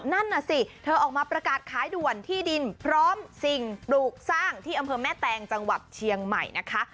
นั่นน่ะสิเธอออกมาประกาศขายด่วนที่ดินพร้อมสิ่งปลูกสร้างที่อำเภอแม่แตงจังหวัดเชียงใหม่นะคะ